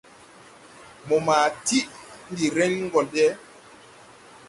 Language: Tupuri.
Mo ma tiʼ ndi ren go de!